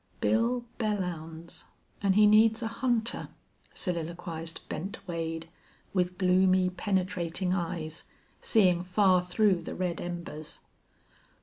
"Bill Belllounds an' he needs a hunter," soliloquized Bent Wade, with gloomy, penetrating eyes, seeing far through the red embers.